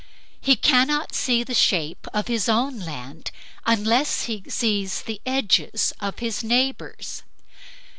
He cannot see the shape of his own land unless he sees the edges of his neighbor's.